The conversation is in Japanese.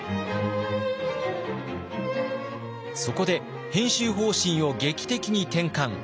そこで編集方針を劇的に転換。